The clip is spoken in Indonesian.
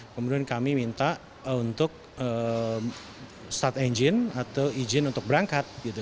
kemudian kami minta untuk start engine atau izin untuk berangkat